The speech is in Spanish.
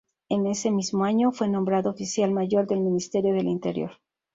En ese mismo año fue nombrado oficial mayor del Ministerio del Interior.